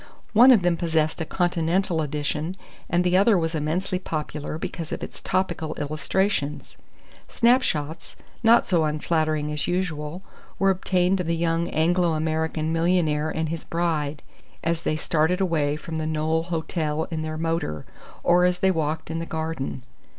One of them possessed a Continental edition, and the other was immensely popular because of its topical illustrations. Snapshots, not so unflattering as usual, were obtained of the young Anglo American millionaire and his bride, as they started away from the Knowle Hotel in their motor, or as they walked in the garden.